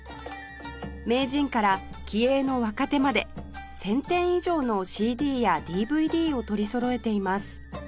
名人から気鋭の若手まで１０００点以上の ＣＤ や ＤＶＤ を取りそろえています